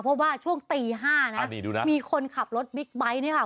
เพราะว่าช่วงตี๕นะมีคนขับรถบิ๊กไบท์เนี่ยค่ะ